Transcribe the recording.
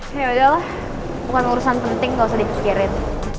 ya yaudahlah bukan urusan penting gak usah dikikirin